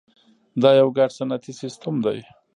دا یو ګډ صنعتي سیستم دی.